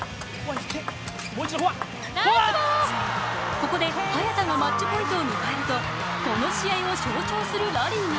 ここで早田がマッチポイントを迎えるとこの試合を象徴するラリーに。